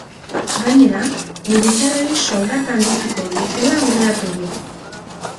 Gainera, militarrei soldata handituko dietela aurreratu du.